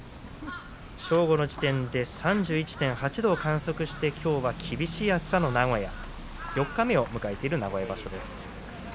正午の時点で３１．８度を観測してきょうは厳しい暑さの名古屋、四日目を迎えている名古屋場所です。